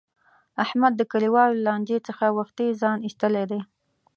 احمد د کلیوالو له لانجې څخه وختي ځان ایستلی دی.